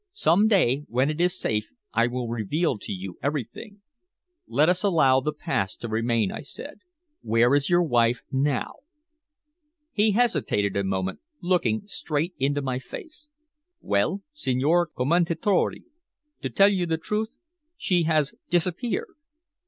Some day, when it is safe, I will reveal to you everything." "Let us allow the past to remain," I said. "Where is your wife now?" He hesitated a moment, looking straight into my face. "Well, Signor Commendatore, to tell the truth, she has disappeared."